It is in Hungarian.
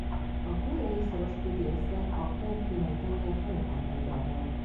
A Koreai-szoros köti össze a Kelet-kínai-tengert a Japán-tengerrel.